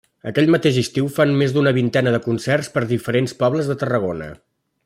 Aquell mateix estiu fan més d'una vintena de concerts per diferents pobles de Tarragona.